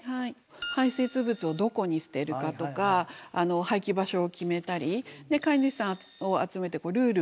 排せつ物をどこに捨てるかとか廃棄場所を決めたり飼い主さんを集めてルールを確認する。